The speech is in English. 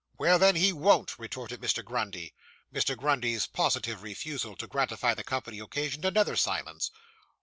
'Well, then, he won't,' retorted Mr. Grundy. Mr. Grundy's positive refusal to gratify the company occasioned another silence.